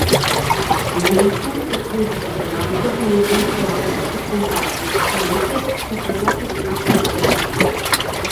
Немтур е позитив, намќор нејзин семантички компаратив и некез суперлатив над суперлативите.